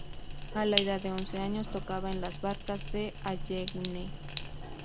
A la edad de once años tocaba en las barcas de Allegheny.